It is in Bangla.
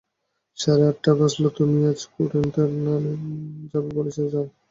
সাড়ে আটটা বাজল, তুমি আজ কোরিন্থিয়ানে যাবে বলেছিলে, যাও।